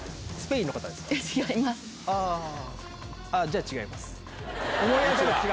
じゃあ違います。